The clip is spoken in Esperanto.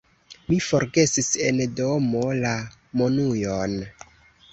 Mi forgesis en domo la monujon.